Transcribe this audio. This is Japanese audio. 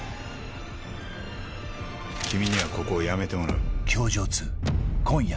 君にはここを辞めてもらう。